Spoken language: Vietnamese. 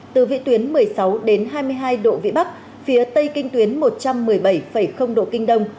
từ vị tuyến một mươi sáu đến hai mươi hai độ vĩ bắc phía tây kinh tuyến một trăm một mươi bảy độ kinh đông